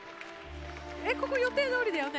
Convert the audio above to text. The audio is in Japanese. えここ予定どおりだよね？